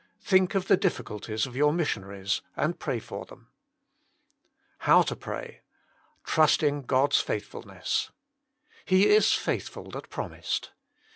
Think of the difficulties of your missionaries, and pray for them. HOW TO PRAY. rusihtjg (Soil s JfaitljfulntBS "He is faithful that promised."